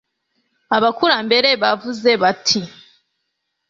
abakurambere bavuze bati